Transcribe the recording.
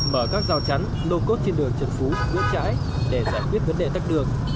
mở các giao chắn lô cốt trên đường trần phú vũ trãi để giải quyết vấn đề tắc đường